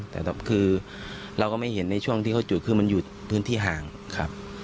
แต่คือเราก็ไม่เห็นในช่วงที่เขาจุดคือมันอยู่พื้นที่ห่างครับ